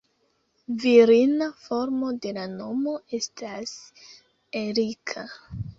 Virina formo de la nomo estas Erika.